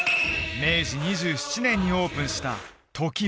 明治２７年にオープンした登起